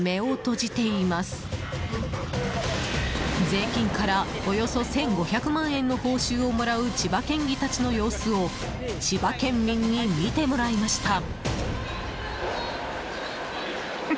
税金から、およそ１５００万円の報酬をもらう千葉県議たちの様子を千葉県民に見てもらいました。